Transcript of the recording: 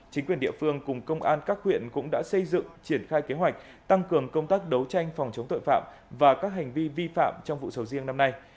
chính quyền địa phương cùng công an các huyện cũng đã xây dựng triển khai kế hoạch tăng cường công tác đấu tranh phòng chống tội phạm và các hành vi vi phạm trong vụ sầu riêng năm nay